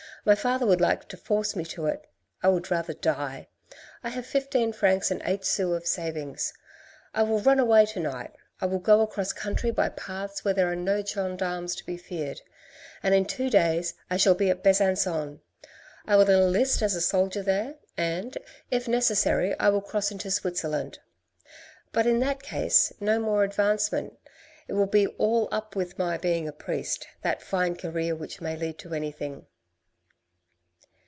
My father would like to force me to it. I would rather die. I have fifteen francs and eight sous of savings. I will run away to night ; I will go across country by paths where there are no gendarmes to be feared, and in two days I shall be at Besancon. I will enlist as a soldier there, and, if necessary, I will cross into Switerzerland. But in that case, no more advancement, it will be all up with my being a priest, that fine career which may lead to anything."